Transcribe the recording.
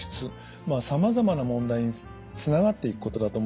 まあさまざま問題につながっていくことだと思います。